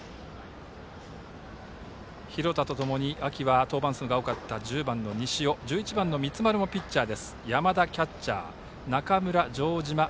廣田と共に秋は登板数が多かった１０番の西尾１１番の三丸もピッチャー。